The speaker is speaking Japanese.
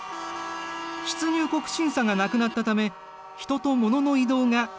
出入国審査がなくなったため人と物の移動がスムーズになった。